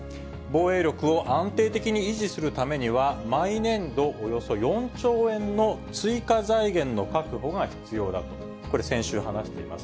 防衛力を安定的に維持するためには、毎年度およそ４兆円の追加財源の確保が必要だと、これ、先週話しています。